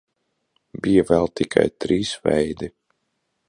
Bija vēl tikai trīs veidi.